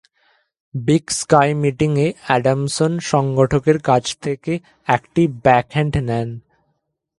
Big sky meeting এ, Adamson সংগঠকের কাছ থেকে একটি ব্যাকহ্যান্ড নেন।